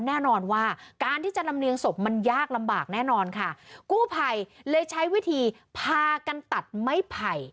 แน่นอนว่าการที่จะลำเลียงศพมันยากลำบากแน่นอนค่ะกู้ภัยเลยใช้วิธีพากันตัดไม้ไผ่